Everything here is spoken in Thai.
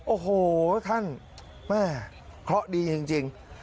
โอ้โหท่านแม่เคราะห์ดีจริง